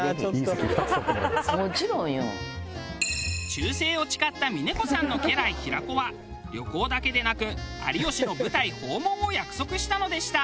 忠誠を誓った峰子さんの家来平子は旅行だけでなく有吉の舞台訪問を約束したのでした。